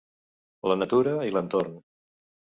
La natura i l'entorn.